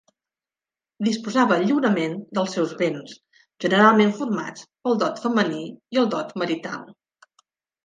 Disposava lliurement dels seus béns, generalment formats pel dot femení i el dot marital.